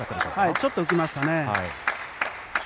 ちょっと浮きましたね。